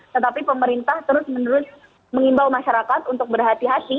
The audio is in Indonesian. tetapi pemerintah terus menerus mengimbau masyarakat untuk berhati hati